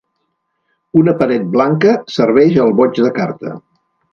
Una paret blanca serveix al boig de carta.